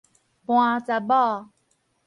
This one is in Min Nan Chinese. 盤查某